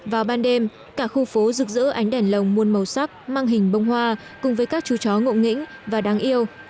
vào ban đêm cả khu phố rực rỡ ánh đèn lồng muôn màu sắc mang hình bông hoa cùng với các chú chó ngộ nghĩnh và đáng yêu